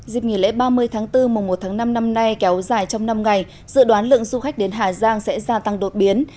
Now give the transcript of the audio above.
dịp nghỉ lễ ba mươi tháng bốn mùa một tháng năm năm nay kéo dài trong năm ngày dự đoán lượng du khách đến hà giang sẽ gia tăng đột biến